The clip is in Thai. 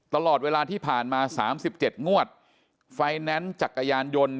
ตลอดเวลาที่ผ่านมา๓๗งวดไฟแนนซ์จักรยานยนต์